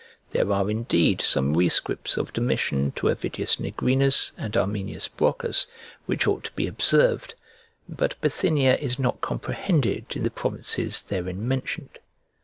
There are, indeed, some rescripts of Domitian to Avidius Nigrinus and Armenhis Brocchus, which ought to be observed; but Bithynia is not comprehended in the provinces therein mentioned.